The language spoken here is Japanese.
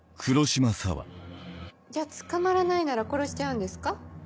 じゃ捕まらないなら殺しちゃうんですか？